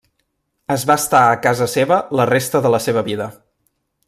Es va estar a casa seva la resta de la seva vida.